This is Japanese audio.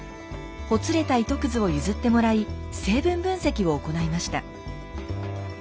ほつれた糸くずを譲ってもらい成分分析を行いました。